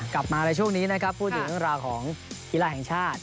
กลับมาในช่วงนี้นะครับพูดถึงเรื่องราวของกีฬาแห่งชาติ